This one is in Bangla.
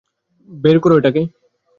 বের করো এটাকে!